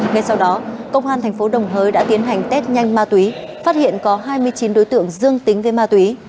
ngay sau đó công an thành phố đồng hới đã tiến hành test nhanh ma túy phát hiện có hai mươi chín đối tượng dương tính với ma túy